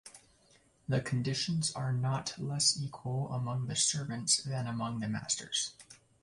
The conditions are not less equal among the servants than among the masters.